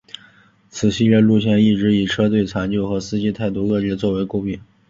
此系列路线一直以车队残旧和司机态度恶劣作为垢病。